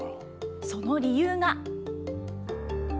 その理由が。